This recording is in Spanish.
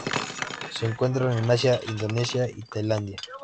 Se encuentran en Asia: Indonesia y Tailandia.